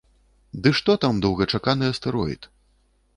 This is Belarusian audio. Ды што там доўгачаканы астэроід!